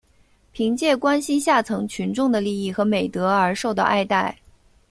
凭借关心下层群众的利益和美德而受到爱戴。